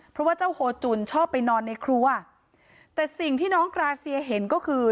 เพราะว่าเจ้าโฮจุนชอบไปนอนในครัวแต่สิ่งที่น้องกราเซียเห็นก็คือ